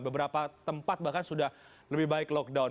beberapa tempat bahkan sudah lebih baik lockdown